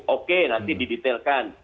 oke nanti didetailkan